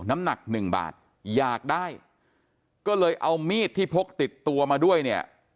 น้ำหนักหนึ่งบาทอยากได้ก็เลยเอามีดที่พกติดตัวมาด้วยเนี่ย